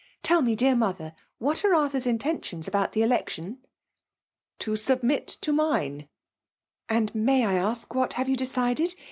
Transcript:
Tell me, dear r ndothen what are Arthur's intentions about Hie ^ectioii f " To submit to mine." •^ Ahd may 1 ask, what have you decided